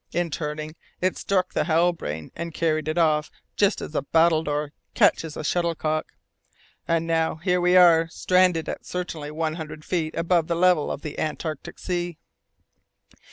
In turning, it struck the Halbrane and carried it off just as a battledore catches a shuttlecock, and now here we are, stranded at certainly one hundred feet above the level of the Antarctic Sea."